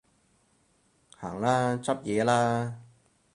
行啦，執嘢啦